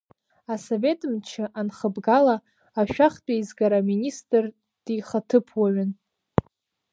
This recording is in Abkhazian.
Асовет мчы анхыбгала, Ашәахтә Еизгара аминистр дихаҭыԥуаҩын.